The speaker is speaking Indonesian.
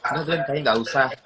karena glenn kayaknya gak usah